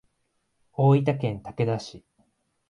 大分県竹田市